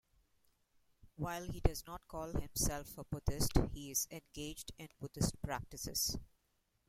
While he does not call himself a Buddhist, he is engaged in Buddhist practices.